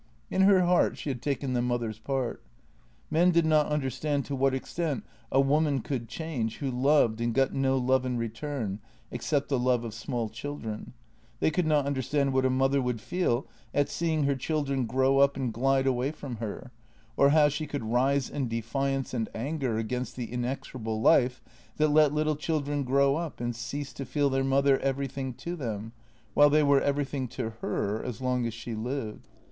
In her heart she had taken the mother's part. Men did not understand to what extent a woman could change who loved and got no love in return except the love of small children; they could not understand what a mother would feel at seeing her children grow up and glide away from her, or how she could rise in defiance and anger against the inexorable life that let little children grow up and cease to feel their mother everything to them, while they were everything to her as long as she lived.